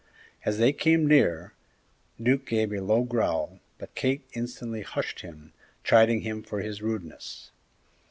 As they came near, Duke gave a low growl, but Kate instantly hushed him, chiding him for his rudeness.